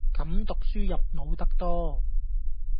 噉讀書入腦得多